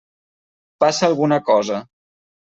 Passa alguna cosa.